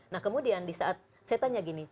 nah kemudian di saat saya tanya gini